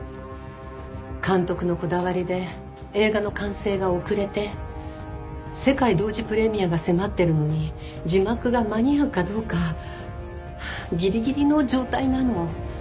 監督のこだわりで映画の完成が遅れて世界同時プレミアが迫ってるのに字幕が間に合うかどうかギリギリの状態なの。